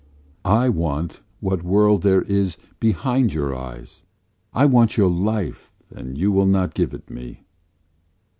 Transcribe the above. I want what world there is behind your eyes, I want your life and you will not give it me.